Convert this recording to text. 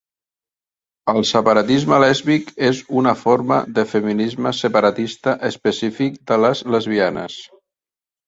El separatisme lèsbic és una forma de feminisme separatista específic de les lesbianes.